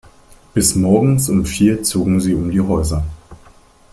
Bis morgens um vier zogen sie um die Häuser.